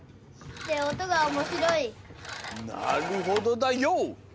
なるほどだＹＯ！